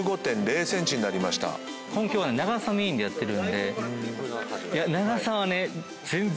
今日は長さメインでやってるんで。